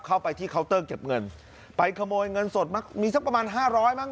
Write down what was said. เข้าไปที่เคาน์เตอร์เก็บเงินไปขโมยเงินสดมั้งมีสักประมาณห้าร้อยมั้